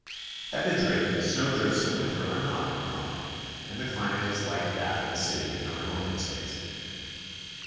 At Madrid snow drifts in winter are not uncommon and the climate is like that of a city in our Northern States.